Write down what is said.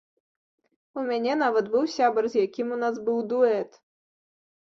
У мяне нават быў сябар, з якім у нас быў дуэт.